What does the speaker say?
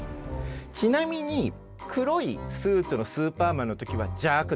ちなみに黒いスーツのスーパーマンの時は邪悪です。